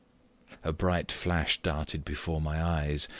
A bright flash darted before my eyes.